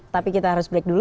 tapi kita harus break dulu